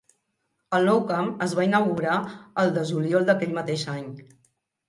El nou camp es va inaugurar el de juliol d'aquell mateix any.